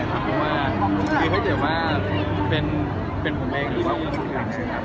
เพราะมันมีช่วงชีวิตที่ปฏิเสธเวลามาก